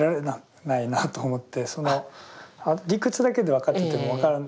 理屈だけで分かってても分からない。